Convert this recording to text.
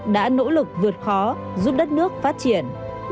đã nỗ lực vượt khó giúp đất nước phát triển